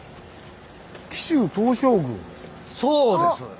そうです！